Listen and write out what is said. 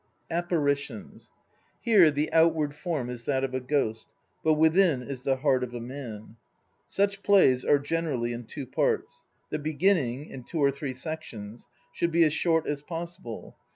APPARITIONS Here the outward form is that of a ghost; but within is the heart of a man. Such plays are generally in two parts. The beginning, in two or sections, should be as short as possible.